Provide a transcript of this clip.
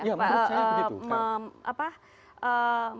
ya menurut saya begitu